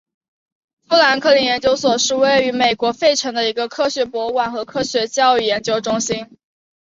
富兰克林研究所是位于美国费城的一个科学博物馆和科学教育研究中心。